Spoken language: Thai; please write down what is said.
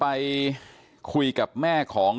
ไปคุยกับแม่ของ